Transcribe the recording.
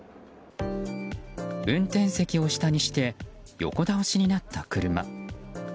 運転席を下にして横倒しになった車。